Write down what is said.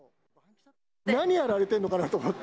何やられてるのかなと思って。